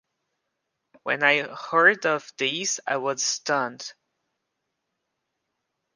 When I heard of this I was stunned.